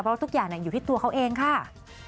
เพราะทุกอย่างอยู่ที่ตัวเขาเองค่ะ